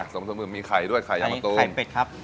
สมมุติมีไข่ด้วยไข่ยามาตูงไข่เป็ดครับ